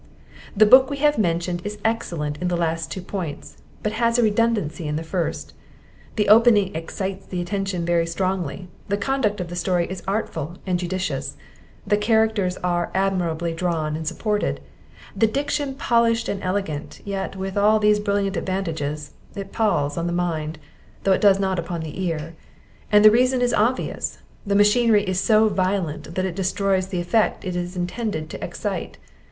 The book we have mentioned is excellent in the two last points, but has a redundancy in the first; the opening excites the attention very strongly; the conduct of the story is artful and judicious; the characters are admirably drawn and supported; the diction polished and elegant; yet, with all these brilliant advantages, it palls upon the mind (though it does not upon the ear); and the reason is obvious, the machinery is so violent, that it destroys the effect it is intended to excite.